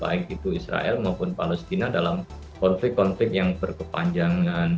baik itu israel maupun palestina dalam konflik konflik yang berkepanjangan